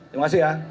terima kasih ya